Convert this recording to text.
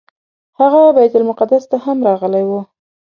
هغه بیت المقدس ته هم راغلی و.